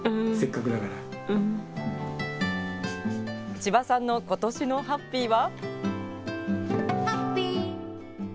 千葉さんのことしのハッピーは。